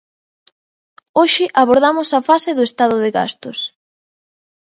Hoxe abordamos a fase do estado de gastos.